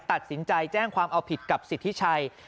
ตัดสินใจแจ้งความเอาผิดกับสิทธิชัย